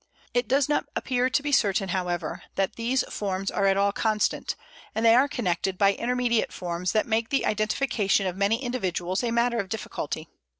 It does not appear to be certain, however, that these forms are at all constant, and they are connected by intermediate forms that make the identification of many individuals a matter of difficulty.